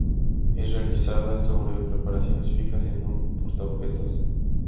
Es realizada sobre preparaciones fijas en un portaobjetos.